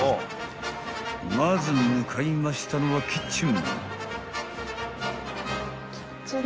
［まず向かいましたのはキッチン］